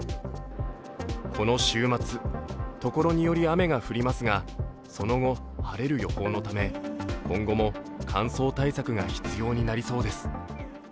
この週末、ところにより雨が降りますがその後、晴れる予報のため今後も乾燥対策が必要になりそうです。